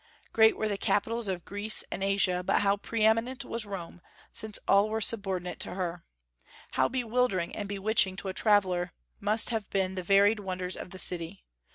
Great were the capitals of Greece and Asia, but how pre eminent was Rome, since all were subordinate to her! How bewildering and bewitching to a traveller must have been the varied wonders of the city!